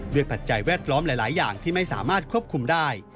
ปัจจัยแวดล้อมหลายอย่างที่ไม่สามารถควบคุมได้